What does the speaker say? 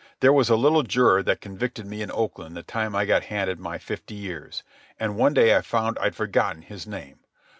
There was a little juror that convicted me in Oakland the time I got handed my fifty years. And one day I found I'd forgotten his name.